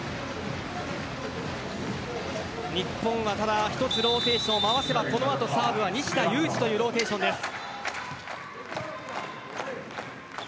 日本は１つローテーションを回せばこの後、サーブは西田有志というローテーションです。